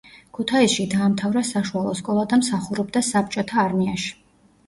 ქუთაისში დაამთავრა საშუალო სკოლა და მსახურობდა საბჭოთა არმიაში.